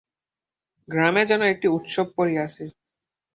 গ্রামে যেন একটি উৎসব পড়িয়াছে।